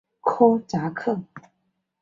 科扎克。